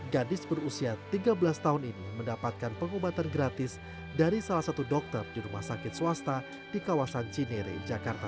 gadis berusia tiga belas tahun ini mendapatkan pengobatan gratis dari salah satu dokter di rumah sakit swasta di kawasan cinere jakarta